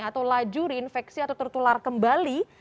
atau laju reinfeksi atau tertular kembali